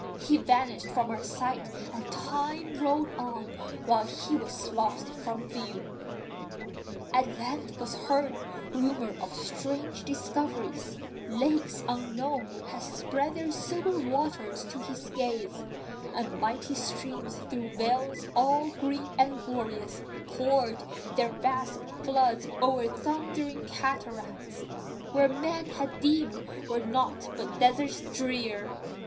He vanished from our sight, and time rolled on While he was lost from view. At length was heard Rumour of strange discoveries: lakes unknown Had spread their silver waters to his gaze; And mighty streams, through vales all green and glorious Poured their vast floods o'er thundering cataracts, Where men had deemed were nought but deserts drear.